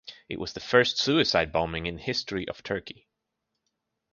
It was the first suicide bombing in history of Turkey.